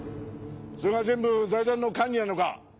それが全部財団の管理なのか？